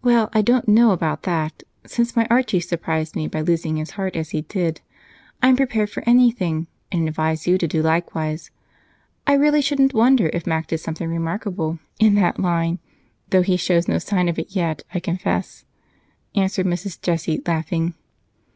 "Well, I don't know about that. Since my Archie surprised me by losing his heart as he did, I'm prepared for anything, and advise you to do likewise. I really shouldn't wonder if Mac did something remarkable in that line, though he shows no sign of it yet, I confess," answered Mrs. Jessie, laughing.